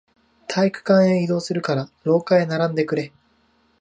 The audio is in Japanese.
体育館へ移動するから、廊下へ並んでくれ。